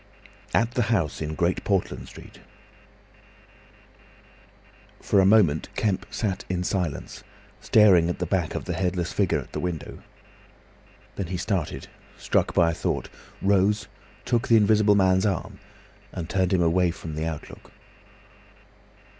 AT THE HOUSE IN GREAT PORTLAND STREET For a moment Kemp sat in silence, staring at the back of the headless figure at the window. Then he started, struck by a thought, rose, took the Invisible Man's arm, and turned him away from the outlook.